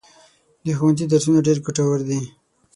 د ښوونځي درسونه ډېر ګټور دي.